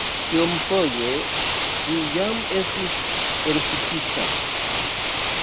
Kiomfoje ĝi jam estis elŝutita?